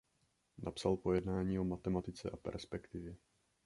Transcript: Napsal pojednání o matematice a perspektivě.